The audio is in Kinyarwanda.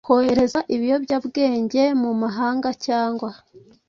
kohereza ibiyobyabwenge mu mahanga cyangwa